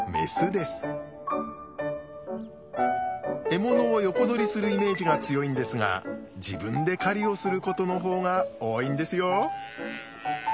獲物を横取りするイメージが強いんですが自分で狩りをすることの方が多いんですよ。